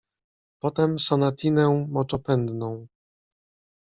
Potem Sonatinę Moczopędną.